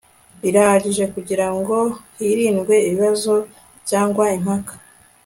birahagije kugira ngo hirindwe ibibazo cyangwa impaka